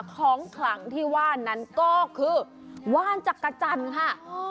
ของขลังที่ว่านั้นก็คือว่านจักรจันทร์ค่ะ